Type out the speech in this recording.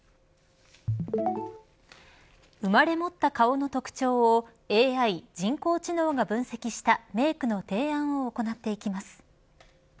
生まれ持った顔の特徴をＡＩ人工知能が分析したメークの提案を行っていきます。